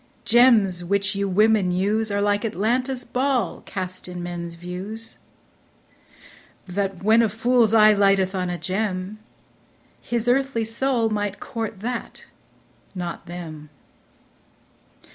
Gems which you women use Are like Atlanta's ball cast in men's views ; That, when a fool's eye lighteth on a gem, His earthly soul might court that, not them.